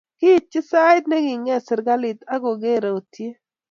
Kiitchi sait ne king'et serkalit akuger rotie